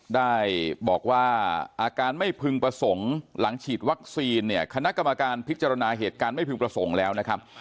ได้บอกว่าอาการไม่พึงประสงค์หลังฉีดวัคซีนเนี่ยคณะกรรมการพิจารณาเหตุการณ์ไม่พึงประสงค์แล้วนะครับ